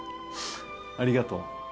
ありがとう。